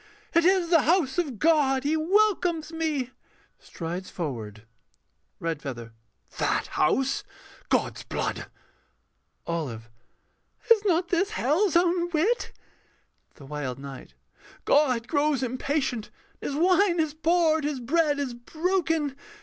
It is the house of God. He welcomes me. [Strides forward.] REDFEATHER. That house. God's blood! OLIVE [hysterically]. Is not this hell's own wit? THE WILD KNIGHT. God grows impatient, and His wine is poured, His bread is broken.